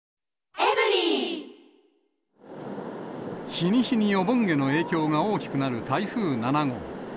日に日にお盆への影響が大きくなる台風７号。